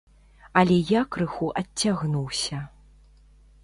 Але я крыху адцягнуўся.